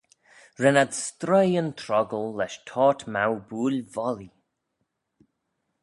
Ren ad stroie yn troggal lesh toyrt-mow booillvollee.